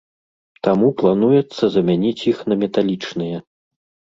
Таму плануецца замяніць іх на металічныя.